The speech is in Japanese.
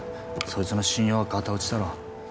そいつの信用はガタ落ちだろう